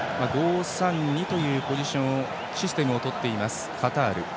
５−３−２というシステムをとっています、カタール。